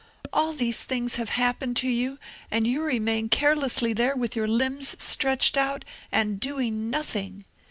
all these things have happened to you, and you remain carelessly there with your limbs stretched out, and doing nothing!